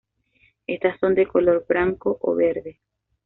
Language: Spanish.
Estas son de color blanco o verde.